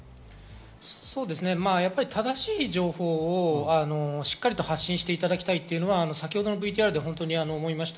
正しい情報をしっかりと発信していただきたいというのが先ほどのＶＴＲで思いました。